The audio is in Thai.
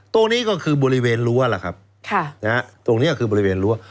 ตรงนี้ก็คือบริเวณรั้วตรงนี้ก็คือบริเวณรั้ว